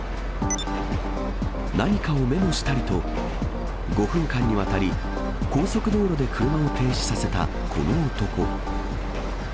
何かをメモしたりと、５分間にわたり、高速道路で車を停止させたこの男。